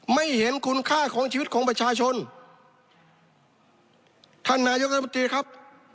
ไม่เห็นคุณค่าของชีวิตของประชาชนท่านนายกรัฐมนตรีครับ